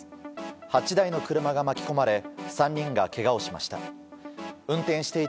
８台の車が巻き込まれ３人がけがをしました。